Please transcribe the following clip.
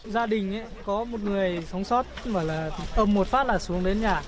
gia đình có một người sống sót ôm một phát là xuống đến nhà